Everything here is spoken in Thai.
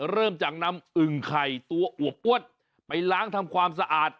เริ่มจากนำอึ่งไข่ตัวอวบอ้วนไปล้างทำความสะอาด